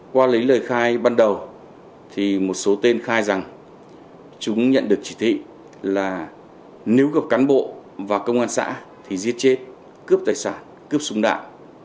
qua lấy lời khai ban đầu thì một số tên khai rằng chúng nhận được chỉ thị là nếu gặp cán bộ và công an xã thì giết chết cướp tài sản cướp súng đạn